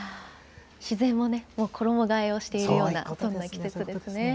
自然も衣がえをしているような、そんな季節ですね。